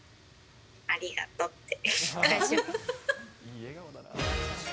ありがとうって返しました。